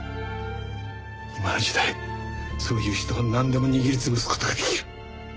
今の時代そういう人はなんでも握りつぶす事ができる。